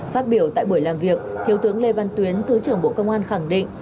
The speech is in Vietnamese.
phát biểu tại buổi làm việc thiếu tướng lê văn tuyến thứ trưởng bộ công an khẳng định